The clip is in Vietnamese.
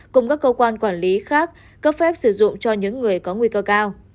cùng các cơ quan quản lý khác cấp phép sử dụng cho những người có nguy cơ cao